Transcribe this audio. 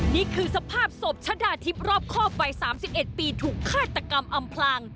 นี่คือสภาพศพชะดาทิพย์รอบครอบวัย๓๑ปีถูกฆาตกรรมอำพลาง